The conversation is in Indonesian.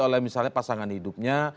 oleh misalnya pasangan hidupnya